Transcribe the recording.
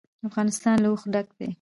افغانستان له اوښ ډک دی.